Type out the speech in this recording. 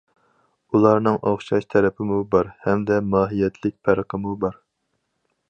ئۇلارنىڭ ئوخشاش تەرىپىمۇ بار ھەمدە ماھىيەتلىك پەرقىمۇ بار.